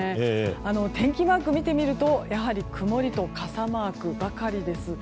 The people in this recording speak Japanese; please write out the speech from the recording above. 天気マークを見てみると曇りと傘マークばかりです。